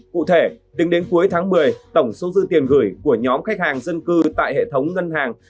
cụ thể tính đến cuối tháng một mươi tổng số dư tiền gửi của nhóm khách hàng dân cư tại hệ thống ngân hàng